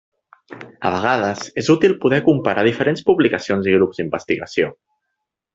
A vegades és útil poder comparar diferents publicacions i grups d'investigació.